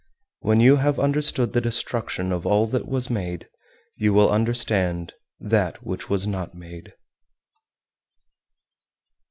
When you have understood the destruction of all that was made, you will understand that which was not made.